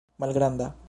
malgranda